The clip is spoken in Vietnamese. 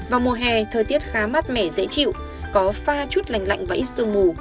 vào mùa hè thời tiết khá mát mẻ dễ chịu có pha chút lành lạnh và ít sương mù